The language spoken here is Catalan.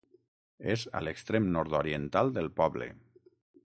És a l'extrem nord-oriental del poble.